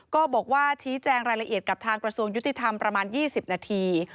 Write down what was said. ก็บอกว่าชี้แจงรายละเอียดกับทางกระทรวงยุติธรรมประมาณ๒๐นาที